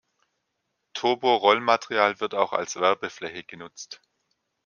Thurbo-Rollmaterial wird auch als Werbefläche genutzt.